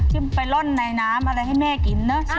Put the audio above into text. ที่ไปร่อนในน้ำอะไรให้แม่กินเนอะ